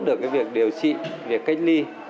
được cái việc điều trị việc cách ly